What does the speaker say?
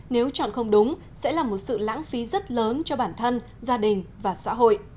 nếu chọn không đúng sẽ là một sự lãng phí rất lớn cho bản thân gia đình và xã hội